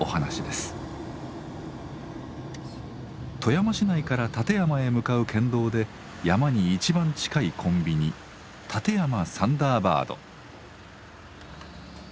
富山市内から立山へ向かう県道で山に一番近いコンビニ「立山サンダーバード」。